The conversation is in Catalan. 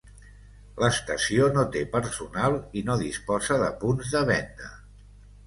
L'estació no té personal i no disposa de punts de venda.